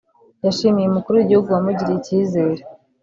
yashimiye Umukuru w’Igihugu wamugiriye icyizere